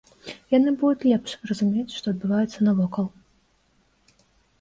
Яны будуць лепш разумець, што адбываецца навокал.